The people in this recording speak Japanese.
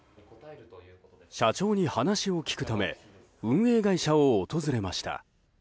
社長に話を聞くため運営会社を訪れました。